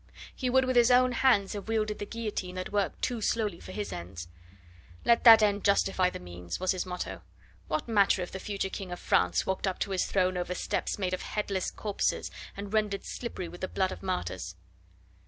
He would with his own hands have wielded the guillotine that worked too slowly for his ends. Let that end justify the means, was his motto. What matter if the future King of France walked up to his throne over steps made of headless corpses and rendered slippery with the blood of martyrs?